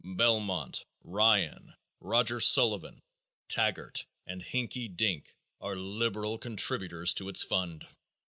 Belmont, Ryan, Roger Sullivan, Taggart and Hinky Dink are liberal contributors to its fund.